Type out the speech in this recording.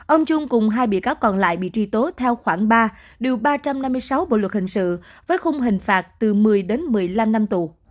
ông trung cùng hai bị cáo còn lại bị truy tố theo khoảng ba điều ba trăm năm mươi sáu bộ luật hình sự với khung hình phạt từ một mươi đến một mươi năm năm tù